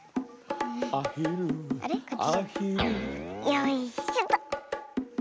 よいしょと。